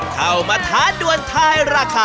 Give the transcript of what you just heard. เข้ามาทานด้วย